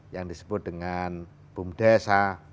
yang disebut dengan bumdes a